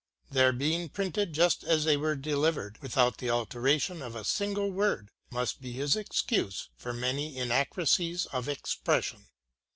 Their being printed just as they were delivered, with out the alteration of a single word, must be his excuse for many inaccuracies of expression.